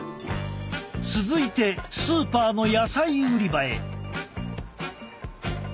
続いてスーパーの野菜売り場へ。